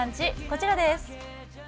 こちらです